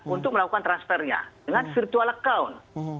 untuk melakukan transfernya dengan virtual account